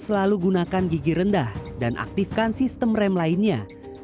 selalu gunakan gigi rendah dan aktifkan sistem rem lainnya